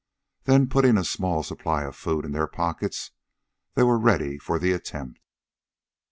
Then, putting a small supply of food in their pockets, they were ready for the attempt.